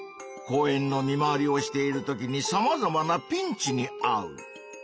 公園の見回りをしているときにさまざまなピンチにあう。